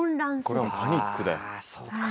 これはパニック。